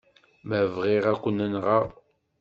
Ma bɣiɣ, ad ken-nɣen.